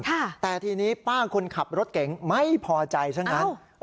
แต่ทีนี้ป้าคนขับรถเก่งไม่พอใจซะงั้น